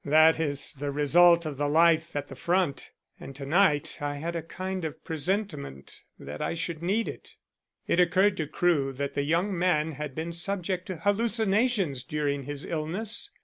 That is the result of the life at the front. And to night I had a kind of presentiment that I should need it." It occurred to Crewe that the young man had been subject to hallucinations during his illness.